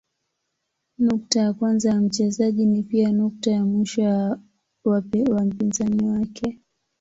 Nukta ya kwanza ya mchezaji ni pia nukta ya mwisho wa mpinzani wake.